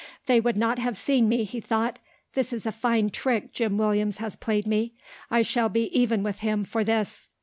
"They would not have seen me," he thought; "this is a fine trick Jim Williams has played me. I shall be even with him for this."